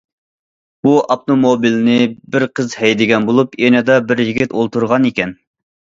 بۇ ئاپتوموبىلنى بىر قىز ھەيدىگەن بولۇپ، يېنىدا بىر يىگىت ئولتۇرغانىكەن.